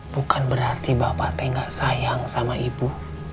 bukan berarti bapak teh nggak sayang sama ibu